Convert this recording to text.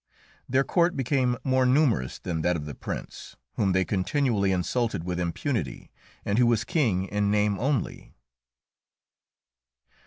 Their court became more numerous than that of the Prince, whom they continually insulted with impunity, and who was king in name only.